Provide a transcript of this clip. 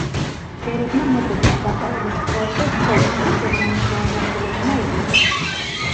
ბერებმა მოძებნეს საყვარელი მოძღვარი და სთხოვეს, ზოგჯერ მაინც მოენახულებინა ისინი.